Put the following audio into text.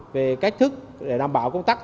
về cách thức để đảm bảo công tác